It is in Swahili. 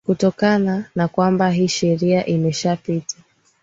kutokana na kwamba hii sheria imeshapita